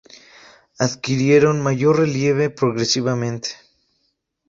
Adquirieron mayor relieve progresivamente.